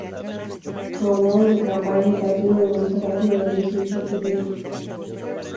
Como modos de campaña y partido de vuelta rápida de las versiones anteriores.